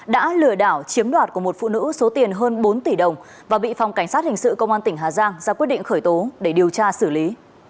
đã lừa đảo chiếm đoạt của một phụ nữ số tiền hơn bốn tỷ đồng và bị phòng cảnh sát hình sự công an tỉnh hà giang ra quyết định khởi tố để điều tra xử lý